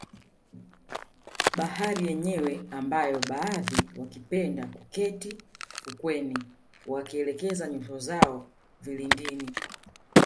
Bahari yenyewe ambayo baadhi wakipenda kuketi fukweni wakielekeza nyuso zao vilindini